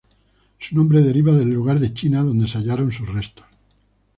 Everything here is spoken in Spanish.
Su nombre deriva del lugar de China donde se hallaron sus restos.